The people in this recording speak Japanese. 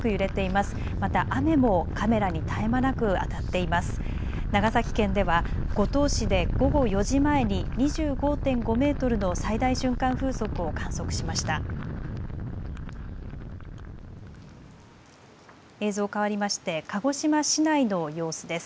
また雨もカメラに絶え間なく当たっています。